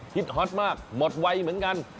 ฮิตฮอตมากหมดไวเหมือนกัน